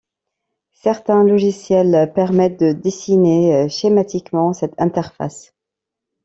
Certains logiciels permettent de dessiner schématiquement cette interface.